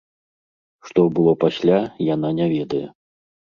Што было пасля, яна не ведае.